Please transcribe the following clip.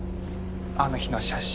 あの日の写真。